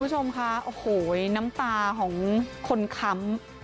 คุณผู้ชมคะโอ้โหน้ำตาของคนค้ำ